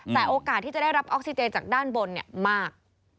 แต่โอกาสที่จะได้รับออกซิเจนจากด้านบนมาก